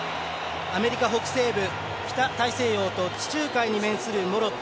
アメリカ北西部北大西洋と地中海に面するモロッコ。